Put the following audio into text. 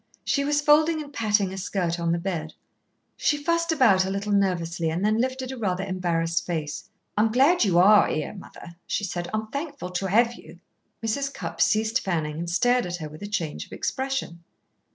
She was folding and patting a skirt on the bed. She fussed about a little nervously and then lifted a rather embarrassed face. "I'm glad you are here, mother," she said. "I'm thankful to have you!" Mrs. Cupp ceased fanning and stared at her with a change of expression.